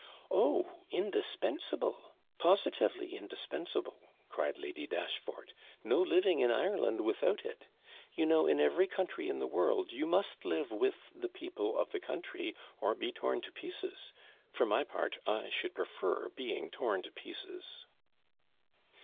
'Oh, indispensable! Positively indispensable!' cried Lady Dashfort; 'no living in Ireland without it. You know, in every country in the world, you must live with the people of the country, or be torn to pieces; for my part, I should prefer being torn to pieces.'